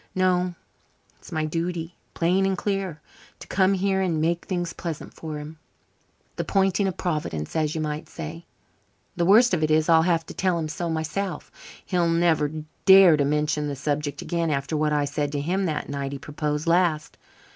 No, it's my duty, plain and clear, to come here and make things pleasant for him the pointing of Providence, as you might say. The worst of it is, I'll have to tell him so myself. He'll never dare to mention the subject again, after what I said to him that night he proposed last.